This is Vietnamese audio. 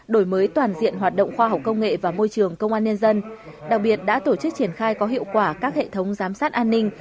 đổi mới toàn diện hoạt động khoa học công nghệ và môi trường công an nhân dân đặc biệt đã tổ chức triển khai có hiệu quả các hệ thống giám sát an ninh